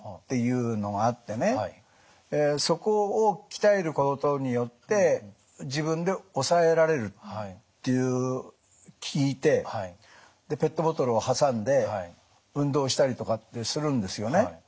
そこを鍛えることによって自分で抑えられると聞いてペットボトルを挟んで運動したりとかってするんですよね。